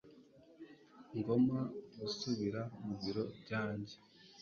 Ngomba gusubira mu biro byanjye